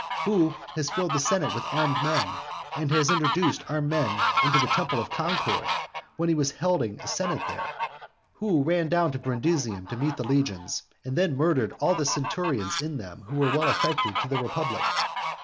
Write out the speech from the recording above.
who has filled the senate with armed men? and has introduced armed men into the temple of Concord when he was holding a senate there? who ran down to Brundusium to meet the legions, and then murdered all the centurions in them who were well affected to the republic?